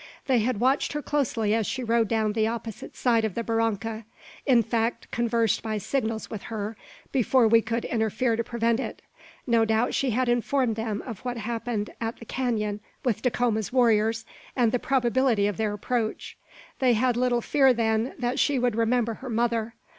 They had watched her closely as she rode down the opposite side of the barranca; in fact, conversed by signals with her, before we could interfere to prevent it. No doubt she had informed them of what happened at the canon with Dacoma's warriors, and the probability of their approach. They had little fear, then, that she would remember her mother.